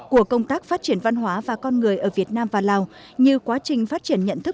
của công tác phát triển văn hóa và con người ở việt nam và lào như quá trình phát triển nhận thức